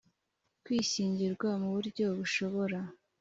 kw ishyingirwa mu buryo bushobora